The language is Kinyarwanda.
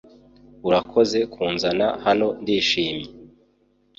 Urakoze kunzana hano ndishimye